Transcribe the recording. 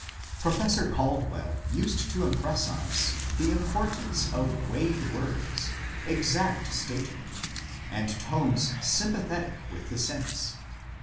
Professor Caldwell used to impress on us the importance of weighed words, exact statement, and tones sympathetic with the sense.